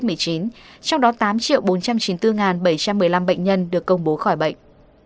trong đó tám bốn trăm chín mươi bốn bảy trăm một mươi năm bệnh nhân được công bố khỏi bệnh